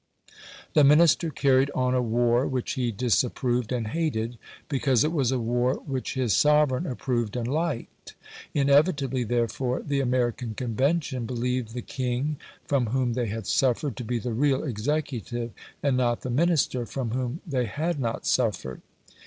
The Minister carried on a war which he disapproved and hated, because it was a war which his sovereign approved and liked. Inevitably, therefore, the American Convention believed the King, from whom they had suffered, to be the real executive, and not the Minister, from whom they had not suffered.